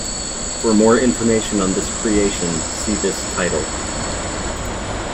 For more information on this creation, see this title.